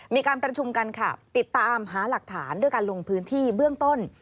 มีการประชุมกันค่ะติดตามหาหลักฐานด้วยการลงพื้นที่เบื้องต้น